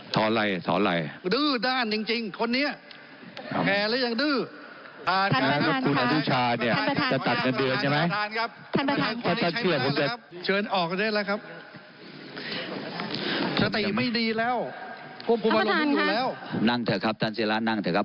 ได้ขอให้ท่านพูดครับ